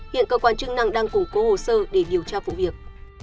hiện cơ quan chức năng đang củng cố hồ sơ để điều tra vụ việc